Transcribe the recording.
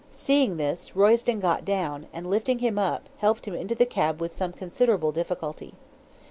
Seeing this, Royston got down, and lifting him up, helped him into the cab with some considerable difficulty.